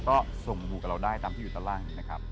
ก็ส่งดูกับเราได้ตามที่อยู่ตรงล่างนะครับ